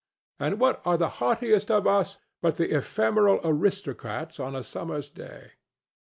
And what are the haughtiest of us but the ephemeral aristocrats of a summer's day?